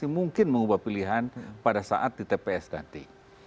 mungkin mengubah pilihan pada saat di tps nanti